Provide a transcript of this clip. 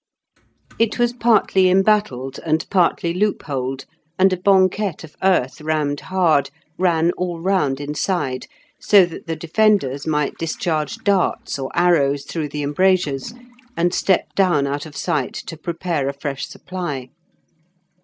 It was partly embattled, and partly loopholed, and a banquette of earth rammed hard ran all round inside, so that the defenders might discharge darts or arrows through the embrasures, and step down out of sight to prepare a fresh supply.